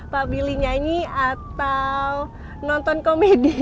pak billy nyanyi atau nonton komedi